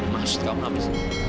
maksud kamu apa sih